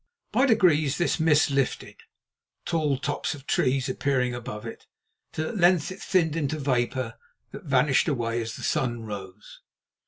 By degrees this mist lifted, tall tops of trees appearing above it, till at length it thinned into vapour that vanished away as the sun rose.